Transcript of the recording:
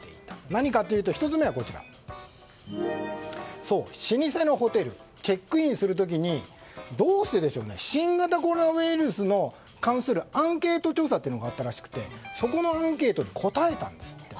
何かというと、１つ目は老舗のホテルなのでチェックインする時にどうしてでしょうね新型コロナウイルスに関するアンケート調査があったんですがそこのアンケートに答えたんですって。